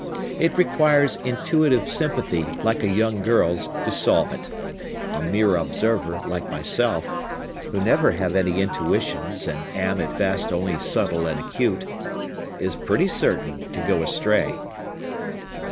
It requires intuitive sympathy, like a young girl's, to solve it. A mere observer, like myself (who never have any intuitions, and am, at best, only subtile and acute), is pretty certain to go astray."